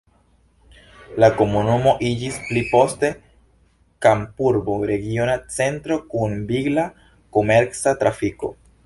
La komunumo iĝis pli poste kampurbo regiona centro kun vigla komerca trafiko.